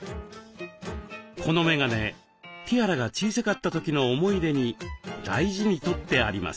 この眼鏡ティアラが小さかった時の思い出に大事にとってあります。